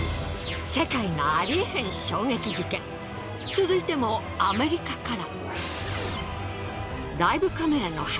続いてもアメリカから。